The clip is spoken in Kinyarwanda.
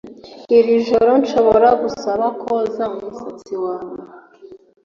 iri joro nshobora gusaba koza umusatsi wawe